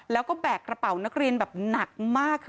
แล้วก็แบกกระเป๋านักเรียนแบบหนักมากคือ